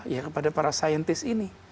ya kepada para saintis ini